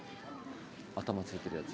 頭付いてるやつ？